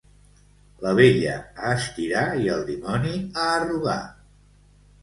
La vella a estirar i el dimoni a arrugar.